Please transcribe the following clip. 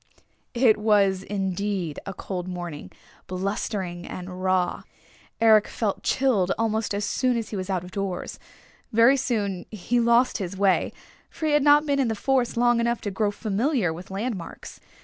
It was indeed a cold morning, blustering and raw. Eric felt chilled almost as soon as he was out of doors. Very soon he lost his way, for he had not been in the forest long enough to grow familiar with landmarks.